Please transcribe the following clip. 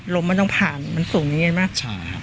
ลมมันต้องผ่านมันสูงอย่างนี้ใช่ไหม